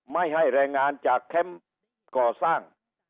ไม่ให้แรงงานจากแคมป์ก่อสร้าง